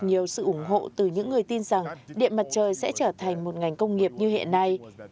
nhiều sự ủng hộ từ những người tin rằng điện mặt trời sẽ trở thành một ngành công nghiệp như hiện nay